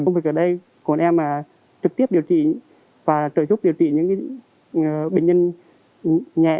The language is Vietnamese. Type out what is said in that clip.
công việc ở đây còn em là trực tiếp điều trị và trợ giúp điều trị những bệnh nhân nhẹ